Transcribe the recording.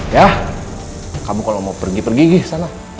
dah kamu kalau mau pergi pergi sana